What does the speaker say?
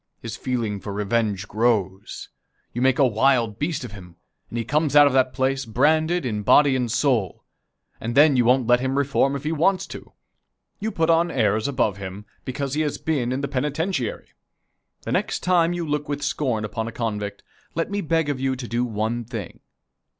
His feeling for revenge grows. You make a wild beast of him, and he comes out of that place branded in body and soul, and then you won't let him reform if he wants to. You put on airs above him, because he has been in the penitentiary. The next time you look with scorn upon a convict, let me beg of you to do one thing.